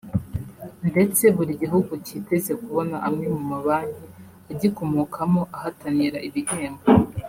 ndetse buri gihugu cyiteze kubona amwe mu mabanki agikomokamo ahatanira ibihembo